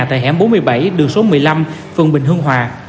tại hẻm bốn mươi bảy đường số một mươi năm phường bình hương hòa